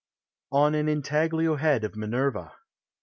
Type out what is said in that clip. ON AN INTAGLIO HEAD OF MINERVA.